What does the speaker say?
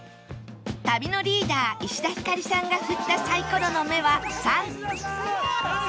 旅のリーダー石田ひかりさんが振ったサイコロの目は「３」